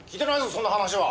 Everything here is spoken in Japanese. そんな話は！